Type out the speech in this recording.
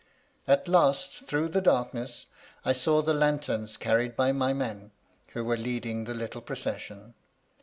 At last, through the dark ness, I saw the lanterns carried by my men, who were leading the little procession.